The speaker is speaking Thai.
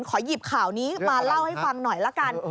ขอหยิบข่าวนี้มาเล่าให้ฟังหน่อยละกัน